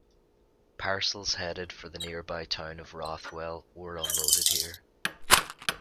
Parcels headed for the nearby town of Rothwell were unloaded here.